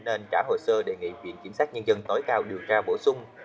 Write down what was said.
nên trả hồ sơ đề nghị viện kiểm sát nhân dân tối cao điều tra bổ sung